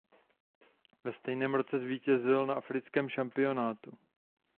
Ve stejném roce zvítězil na africkém šampionátu.